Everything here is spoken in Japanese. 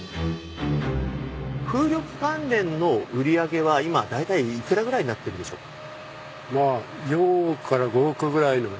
風力関連の売り上げは今大体いくらぐらいになっているんでしょうか？